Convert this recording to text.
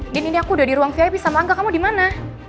din ini aku udah di ruang vip sama angga kamu di mana